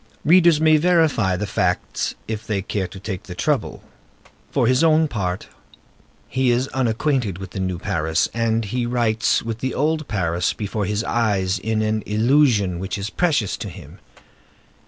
Readers may verify the facts if they care to take the trouble. For his own part, he is unacquainted with the new Paris, and he writes with the old Paris before his eyes in an illusion which is precious to him.